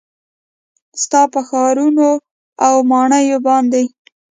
ستا په ښارونو او ماڼیو باندې